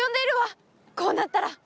こうなったら！